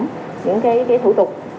những thủ tục